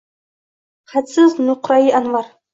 Hadsiz nuqrai anvar.